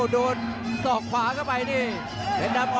แล้วก็ว่ากันต่อครับ